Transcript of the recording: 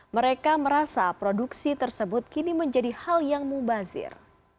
mereka merasa produksi tersebut kini menjadi hal yang mubazir